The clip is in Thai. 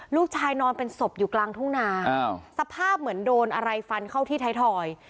นอนเป็นศพอยู่กลางทุ่งนาสภาพเหมือนโดนอะไรฟันเข้าที่ไทยทอย